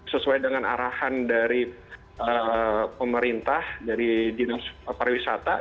sesuai dengan arahan dari pemerintah dari dinas pariwisata